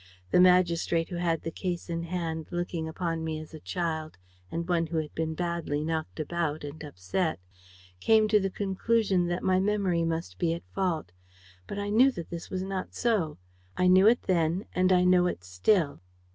The magistrate who had the case in hand, looking upon me as a child and one who had been badly knocked about and upset, came to the conclusion that my memory must be at fault. But I knew that this was not so; I knew it then and I know it still."